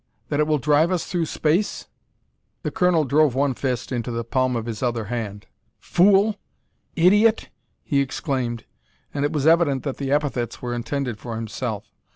that it will drive us through space?" The colonel drove one fist into the palm of his other hand. "Fool! Idiot!" he exclaimed, and it was evident that the epithets were intended for himself.